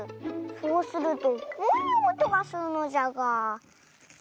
そうするとこういうおとがするのじゃが。